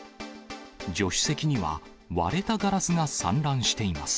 助手席には割れたガラスが散乱しています。